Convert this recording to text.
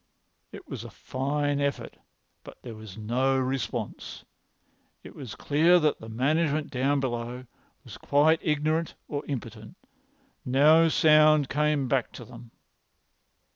It was a fine effort, but there was no response. It was clear that the management down below was quite ignorant or impotent. No sound came back to them.